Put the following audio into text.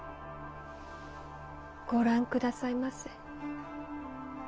ご覧くださいませ。